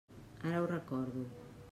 Ara ho recordo.